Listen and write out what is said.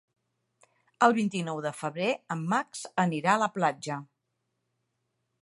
El vint-i-nou de febrer en Max anirà a la platja.